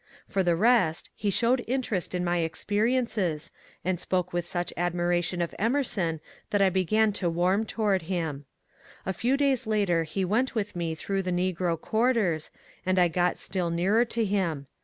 For the rest he showed interest in my THEODORE PARKER 133 experiences, and spoke with such admiration of Emerson that I began to warm toward him. A few days later he went with me through the negro quarters, and I got still nearer to him.